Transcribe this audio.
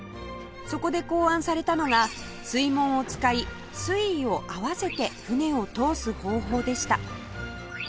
そこで考案されたのが水門を使い水位を合わせて船を通す方法でした